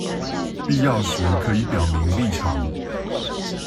必要時可以表明立場